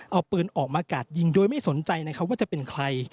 เอาปืนออกมากาดยิงโดยไม่สนใจนะครับว่าจะเป็นใคร